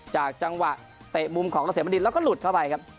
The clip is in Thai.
จากจังหวะเตะมุมของเกษมณดินแล้วก็หลุดเข้าไปครับ